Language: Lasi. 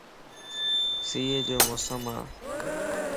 سيءَ جو موسم ا